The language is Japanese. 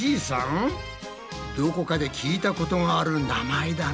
どこかで聞いたことがある名前だな。